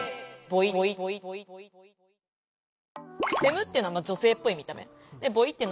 ボイっていうのは男性っぽい見た目。